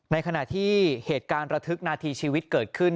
ในขณะที่เหตุการณ์ระทึกนาทีชีวิตเกิดขึ้น